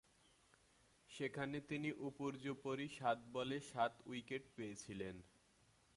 সেখানে তিনি উপর্যুপরি সাত বলে সাত উইকেট পেয়েছিলেন।